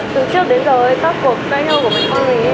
từ trước đến giờ ấy các cuộc gai nhau của mấy con ấy